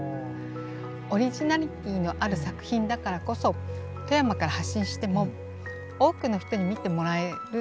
オリジナリティーのある作品だからこそ富山から発信しても多くの人に見てもらえる。